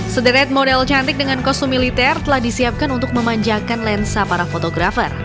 sederet model cantik dengan kostum militer telah disiapkan untuk memanjakan lensa para fotografer